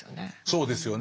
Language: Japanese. そうですよね。